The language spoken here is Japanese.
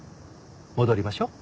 戻りましょう。